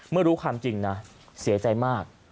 เมื่อรู้คำจริงนะเสียใจมาก